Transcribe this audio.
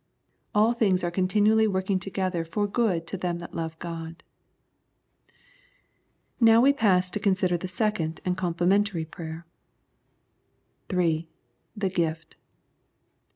All things are continually working together for good to them that love God. Now we pass to consider the second and complementary prayer. 3. The Gift.